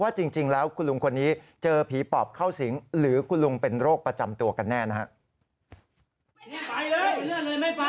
จริงแล้วคุณลุงคนนี้เจอผีปอบเข้าสิงหรือคุณลุงเป็นโรคประจำตัวกันแน่นะครับ